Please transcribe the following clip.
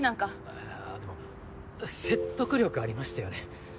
あっいやでも説得力ありましたよね。